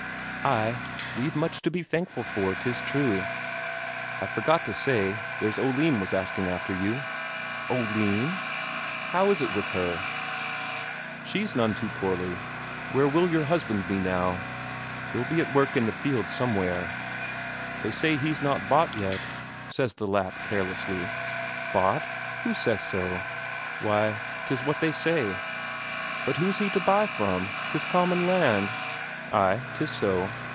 "Ay, we've much to be thankful for, 'tis true." "I forgot to say, there's Oline was asking after you." "Oline? How is it with her?" "She's none so poorly. Where will your husband be now?" "He'll be at work in the fields somewhere." "They say he's not bought yet," says the Lapp carelessly. "Bought? Who says so?" "Why, 'tis what they say." "But who's he to buy from? 'Tis common land." "Ay, 'tis so."